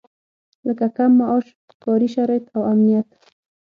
لکه کم معاش، کاري شرايط او امنيت.